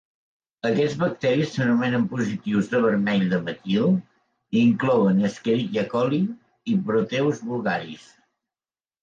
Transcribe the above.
Aquests bacteris s'anomenen positius de vermell de metil i inclouen "Escherichia coli" i "Proteus vulgaris".